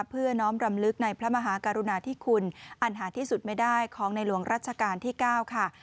เพื่อน้อมรำลึกในพระมหากรุณาธิคุณอันหาที่สุดไม่ได้ของในหลวงรัชกาลที่๙ค่ะ